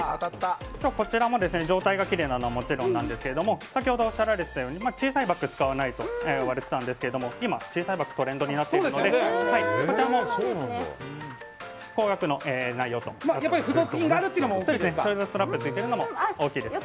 こちらも状態がきれいなのはもちろんですが先ほどおっしゃられていたように小さいバッグを使わないと言っていたのですが今、小さいバッグがトレンドになっているのでこちらも高額の内容となっています。